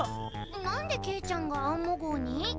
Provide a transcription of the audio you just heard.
何でケイちゃんがアンモ号に？